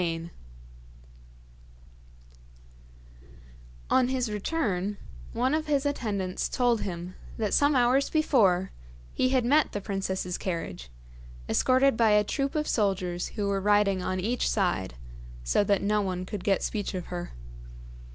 [Illustration: THE PRINCESS GETS HER LETTER] On his return, one of his attendants told him that some hours before he had met the princess's carriage, escorted by a troop of soldiers who were riding on each side, so that no one could get speech of her.